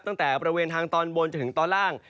ตั้งแต่บริเวณทางตอนบนจนถึงตอนล่าง